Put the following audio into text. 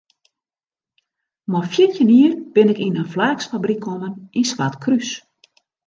Mei fjirtjin jier bin ik yn in flaaksfabryk kommen yn Swartkrús.